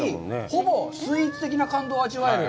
ほぼスイーツ的な感動を味わえる。